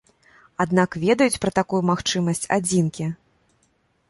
Аднак, ведаюць пра такую магчымасць адзінкі.